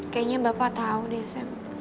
kayaknya bapak tau deh sam